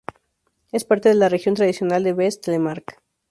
Es parte de la región tradicional de Vest-Telemark.